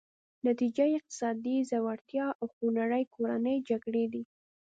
نتیجه یې اقتصادي ځوړتیا او خونړۍ کورنۍ جګړې دي.